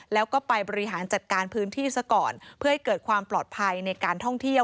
แล้วก็ไปบริหารจัดการพื้นที่ซะก่อนเพื่อให้เกิดความปลอดภัยในการท่องเที่ยว